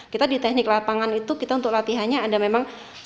kita di teknik lapangan itu kita untuk latihannya ada memang